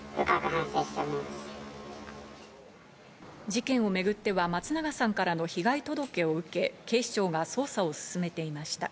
事件をめぐっては松永さんからの被害届けを受け、警視庁が捜査を進めていました。